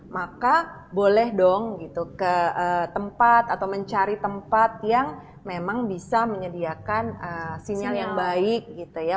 maka boleh dong gitu ke tempat atau mencari tempat yang memang bisa menyediakan sinyal yang baik gitu ya